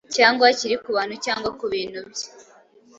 cyangwa kiri ku bantu cyangwa ku bintu bye.